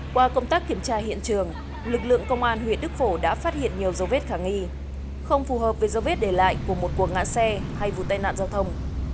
qua công tác kiểm tra hiện trường lực lượng công an huyện đức phổ đã phát hiện nhiều dấu vết khả nghi không phù hợp với dấu vết để lại của một cuộc ngã xe hay vụ tai nạn giao thông